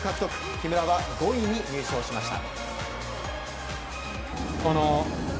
木村は５位に入賞しました。